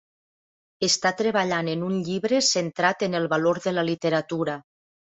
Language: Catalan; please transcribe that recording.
Està treballant en un llibre centrat en el valor de la literatura.